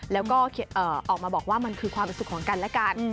แล้วก็ออกมาบอกว่ามันคือความสุขของกันและกัน